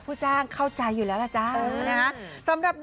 พรรณคือการปรับ